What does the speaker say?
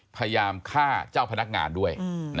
พยายามฆ่าเจ้าพนักงานด้วย